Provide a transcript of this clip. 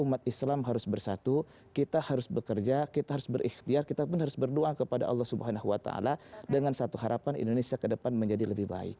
umat islam harus bersatu kita harus bekerja kita harus berikhtiar kita pun harus berdoa kepada allah swt dengan satu harapan indonesia ke depan menjadi lebih baik